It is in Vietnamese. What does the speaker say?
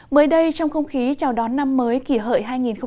mới đây trong không khí chào đón năm mới kỷ hợi hai nghìn một mươi chín